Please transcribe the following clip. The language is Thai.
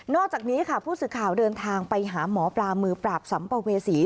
อกจากนี้ค่ะผู้สื่อข่าวเดินทางไปหาหมอปลามือปราบสัมภเวษี